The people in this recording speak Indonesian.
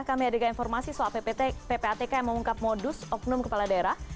kami adakan informasi soal ppatk yang mengungkap modus oknum kepala daerah